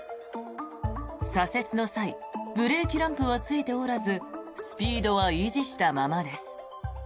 左折の際ブレーキランプはついておらずスピードは維持したままです。